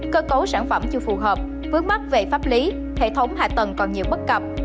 cơ cấu sản phẩm chưa phù hợp vướng mắc về pháp lý hệ thống hạ tầng còn nhiều bất cập